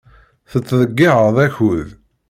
Tettḍeyyiɛeḍ akud.